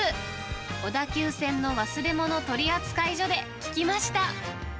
小田急線の忘れ物取扱所で聞きました。